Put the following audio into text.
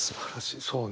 そうね。